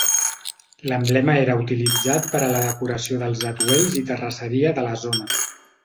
L'emblema era utilitzat per a la decoració dels atuells i terrisseria de la zona.